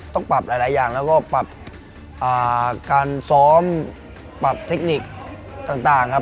ต้องปรับหลายอย่างแล้วก็ปรับการซ้อมปรับเทคนิคต่างครับ